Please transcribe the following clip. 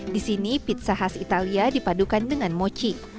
di sini pizza khas italia dipadukan dengan mochi